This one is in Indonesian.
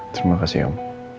terima kasih om